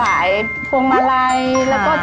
การที่บูชาเทพสามองค์มันทำให้ร้านประสบความสำเร็จ